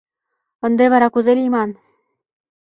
— Ынде вара кузе лийман?